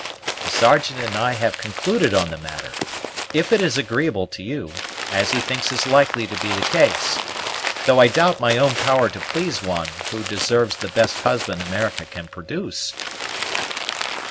The Sergeant and I have concluded on the matter, if it is agreeable to you, as he thinks is likely to be the case; though I doubt my own power to please one who deserves the best husband America can produce."